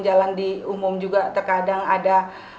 jalan di umum juga terkadang ada